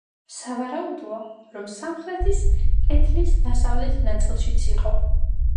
სავარაუდოა, რომ სამხრეთის კედლის დასავლეთ ნაწილშიც იყო.